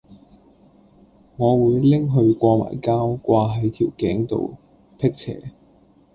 我會拎去過埋膠掛係條頸度闢邪